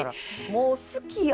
もう好きやん。